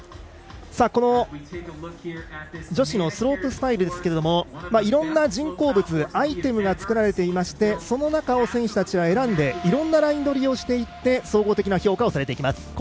この女子のスロープスタイルですがいろんな人工物、アイテムが作られていましてその中を選手たちは選んでいろんなライン取りをしていって総合的な評価をされます。